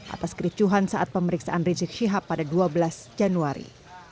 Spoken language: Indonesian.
atas kericuhan saat pemeriksaan rizik syihab pada dua belas januari